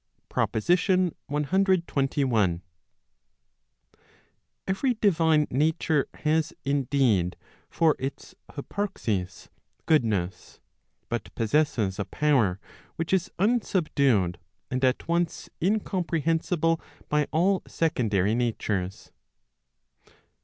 PROPOSITION CXXI. Every divine nature has indeed for its hyparxis goodness, but possesses a power which is unsubdued and at once incomprehensible by all second¬ ary natures.